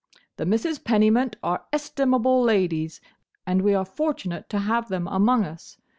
"The Misses Pennymint are estimable ladies, and we are fortunate to have them among us.